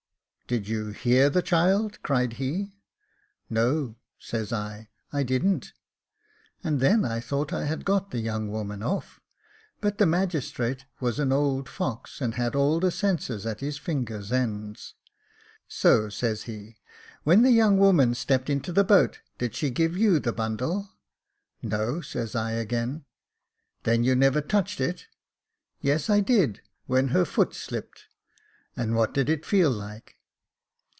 ' Did you hear the child cry ?' said he. * No,' says I, * I didn't ;' and then I thought I had got the young woman off; but the magistrate was an old fox, and had all the senses at his fingers' ends. So says he, ' When the young woman stepped into the boat, did she give you the bundle ?'' No,' says I again. ' Then you never touched it ?'* Yes, I did, when her foot slipped.' ' And what did it feel like